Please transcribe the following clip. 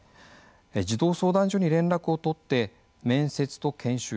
児童相談所に連絡を取って面接と研修